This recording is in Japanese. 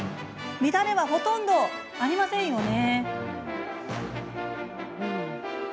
乱れは、ほとんどありませんよね。